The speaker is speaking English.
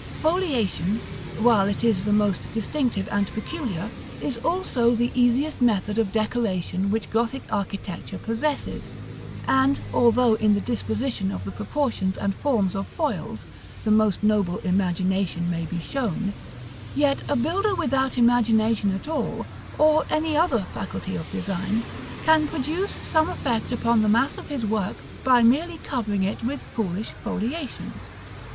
[Illustration: Fig. XIX.] Foliation, while it is the most distinctive and peculiar, is also the easiest method of decoration which Gothic architecture possesses; and, although in the disposition of the proportions and forms of foils, the most noble imagination may be shown, yet a builder without imagination at all, or any other faculty of design, can produce some effect upon the mass of his work by merely covering it with foolish foliation.